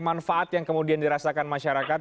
manfaat yang kemudian dirasakan masyarakat